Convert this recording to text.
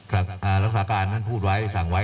รักษาการท่านพูดไว้สั่งไว้